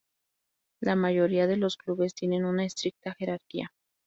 La mayoría de los clubes tienen una estricta jerarquía.